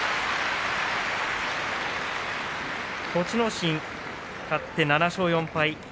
栃ノ心、勝って７勝４敗。